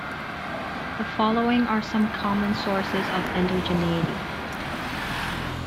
The following are some common sources of endogeneity.